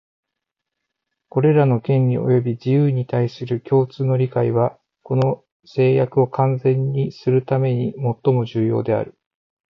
これらの権利及び自由に対する共通の理解は、この誓約を完全にするためにもっとも重要である